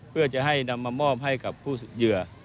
เพื่อจะให้มามอมกับผู้เยื่อ